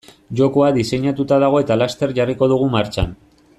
Jokoa diseinatuta dago eta laster jarriko dugu martxan.